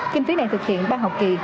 kinh phí này thực hiện ba học kỳ